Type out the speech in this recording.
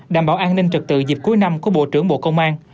đảm bảo an ninh trực tự dịp cuối năm của bộ trưởng bộ công an